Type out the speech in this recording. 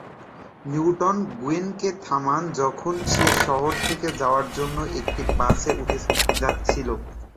Newton গুয়েনকে থামান যখন সে শহর ছেড়ে যাওয়ার জন্য একটি বাসে উঠতে যাচ্ছিল।